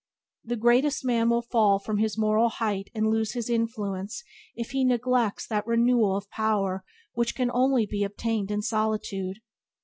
The greatest man will fall from his moral height and lose his influence if he neglects that renewal of power which can only be obtained in solitude.